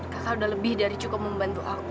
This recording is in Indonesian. kamu sudah lebih dari cukup membantu aku